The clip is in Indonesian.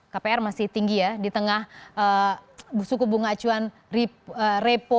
kpr masih tinggi ya di tengah suku bunga acuan repo